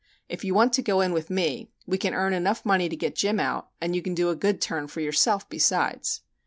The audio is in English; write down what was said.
If you want to go in with me, we can earn enough money to get Jim out and you can do a good turn for yourself besides."